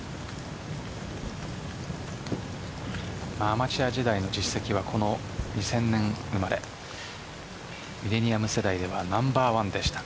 アマチュア時代の実績は２０００年生まれミレニアム世代ではナンバーワンでした。